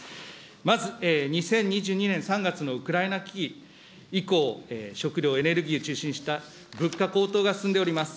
まず２０２２年３月のウクライナ危機以降、食料、エネルギーを中心にした物価高騰が進んでおります。